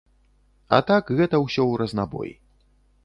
А так гэта ўсё ў разнабой.